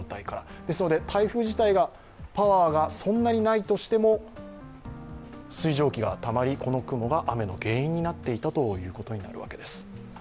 ですので台風自体がパワーがそんなにないとしても、水蒸気がたまり、この雲が雨の原因になっていたということがあるわけです。